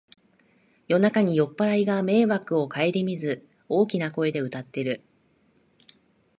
夜中に酔っぱらいが迷惑をかえりみず大きな声で歌ってる